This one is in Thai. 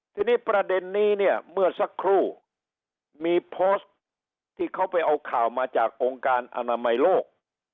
ทีนี้ประเด็นนี้เนี่ยเมื่อสักครู่มีโพสต์ที่เขาไปเอาข่าวมาจากองค์การอนามัยโลก